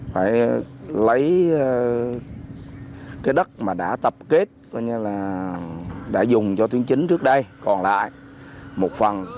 phải lấy cái đất mà đã tập kết đã dùng cho tuyến chính trước đây còn lại một phần